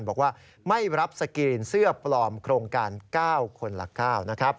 บอกว่าไม่รับสกรีนเสื้อปลอมโครงการ๙คนละ๙นะครับ